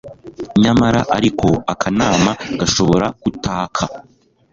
Nyamara ariko Akanama gashobora kutaka